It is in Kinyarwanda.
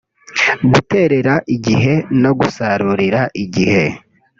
guterera igihe no gusarurira igihe”